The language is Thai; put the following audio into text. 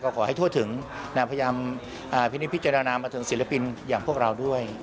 ก็ขอให้ทั่วถึงพิจารณามาถึงศิลปินอย่างพวกเราด้วย